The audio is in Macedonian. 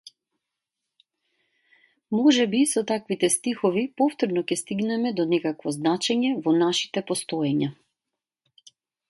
Можеби со таквите стихови повторно ќе стигнеме до некакво значење во нашите постоења.